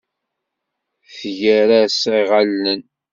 Tger-as iɣallen.